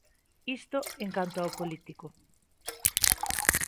Isto en canto ao político.